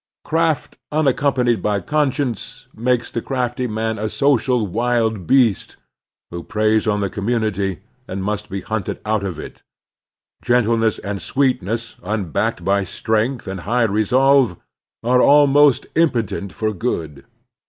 Craft unaccom panied by conscience makes the crafty man a social wild beast who preys on the commimity and must be hunted out of it. Gentleness and sweetness unbacked by strength and high resolve are almost impotent for good.